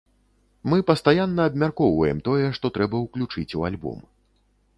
Мы пастаянна абмяркоўваем тое, што трэба ўключыць у альбом.